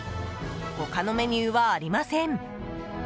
他のメニューはありません。